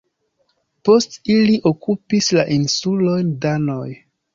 Post ili okupis la insulojn danoj.